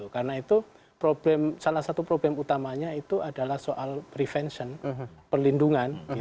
karena itu salah satu problem utamanya itu adalah soal prevention perlindungan